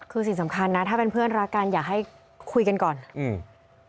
คือสิ่งสำคัญนะถ้าเป็นเพื่อนรักกันอยากให้คุยกันก่อนอืม